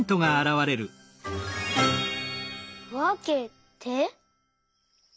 「わけて」？